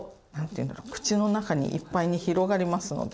口の中にいっぱいに広がりますので。